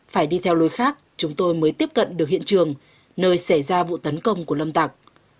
phải đi theo lối khác chúng tôi mới tiếp cận được hiện trường nơi xảy ra vụ tấn công của lâm tặc